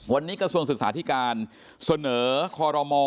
วันนี้กระทรวงศึกษาธิการเสนอคอรมอ